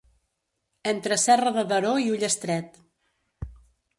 Entre Serra de Daró i Ullastret.